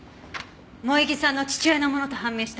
萌衣さんの父親のものと判明したわ。